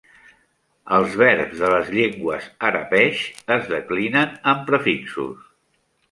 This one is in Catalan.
Els verbs de les llengües arapesh es declinen amb prefixos.